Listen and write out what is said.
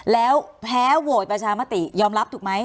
แล้วแพ้โหวตประชามติยอมรับถูกไหม